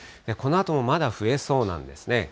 このあともまだ増えそうなんですね。